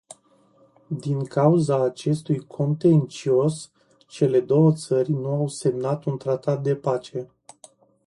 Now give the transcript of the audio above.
Din cauza acestui contencios, cele două țări nu au semnat un tratat de pace.